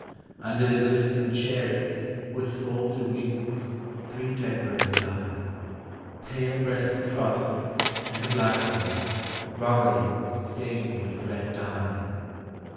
Under the glistening cherries, with folded wings Three dead birds lie: Pale breasted throstles and a blackbird, robberlings Stained with red dye.